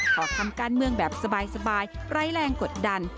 ขอทำการเมืองแบบสบายไร้แรงกดดัน